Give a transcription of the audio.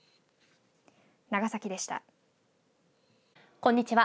こんにちは。